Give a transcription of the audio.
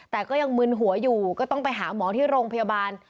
แต่ก็ยังมึนหัวอยู่ก็ต้องไปหาหมอที่โรงพยาบาล